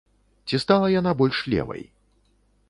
Ці стала яна больш левай?